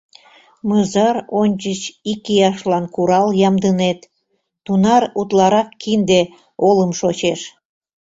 Мызар ончыч икияшлан курал ямдынет, тунар утларак кинде, олым шочеш.